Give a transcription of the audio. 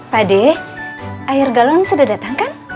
pade air galon sudah datang kan